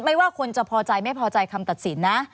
ไม่ว่าคนจะพอใจไม่พอใจคำตัดสินนะ